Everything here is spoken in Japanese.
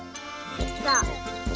そう。